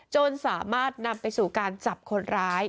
จนสามารถนำไปสู่การจับคนร้าย